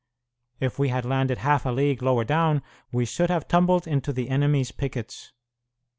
If we had landed half a league lower down we should have tumbled into the enemy's pickets.